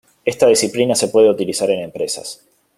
Esta disciplina se puede utilizar en empresas.